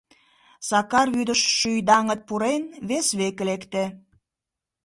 Сакар, вӱдыш шӱй даҥыт пурен, вес веке лекте.